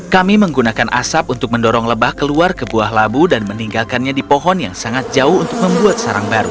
kami menggunakan asap untuk mendorong lebah keluar ke buah labu dan meninggalkannya di pohon yang sangat jauh untuk membuat sarang baru